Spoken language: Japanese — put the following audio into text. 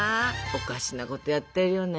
おかしなことやってるよね。